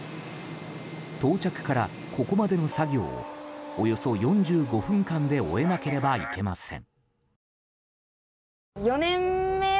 到着から、ここまでの作業をおよそ４５分間で終えなければいけません。